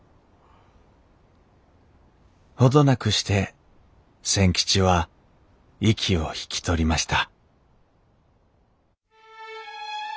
程なくして千吉は息を引き取りました